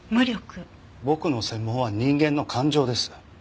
僕の専門は人間の感情です。